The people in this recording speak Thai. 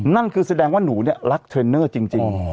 นั่นคือแสดงว่าหนูเนี่ยรักเทรนเนอร์จริง